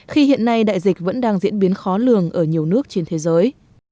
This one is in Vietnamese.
khi hiện nay đại dịch vẫn đang diễn biến khó lường ở nhiều nước trên thế giới